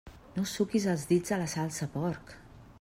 No suquis els dits a la salsa, porc!